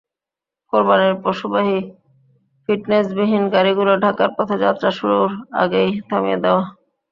কোরবানির পশুবাহী ফিটনেসবিহীন গাড়িগুলো ঢাকার পথে যাত্রা শুরুর আগেই থামিয়ে দেওয়া।